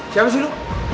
siapa sih lu